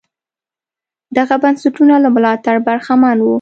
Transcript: دغه بنسټونه له ملاتړه برخمن وو.